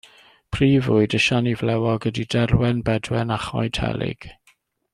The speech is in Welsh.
Prif fwyd y siani flewog ydy derwen, bedwen a choed helyg.